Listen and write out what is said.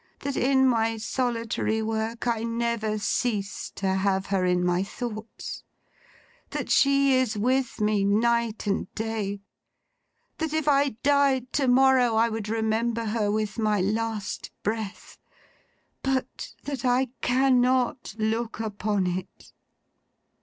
That, in my solitary work, I never cease to have her in my thoughts. That she is with me, night and day. That if I died to morrow, I would remember her with my last breath. But, that I cannot look upon it!